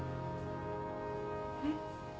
えっ？